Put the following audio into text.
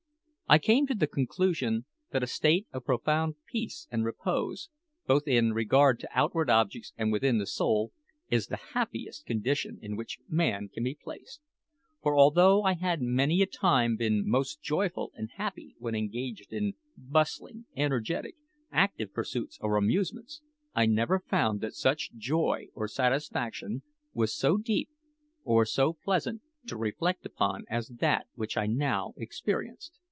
I came to the conclusion that a state of profound peace and repose, both in regard to outward objects and within the soul, is the happiest condition in which man can be placed; for although I had many a time been most joyful and happy when engaged in bustling, energetic, active pursuits or amusements, I never found that such joy or satisfaction was so deep or so pleasant to reflect upon as that which I now experienced.